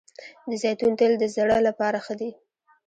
د زیتون تېل د زړه لپاره ښه دي